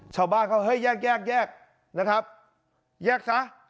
ชาวบ้านเขาเฮ้ยแยกแยกนะครับแยกซะ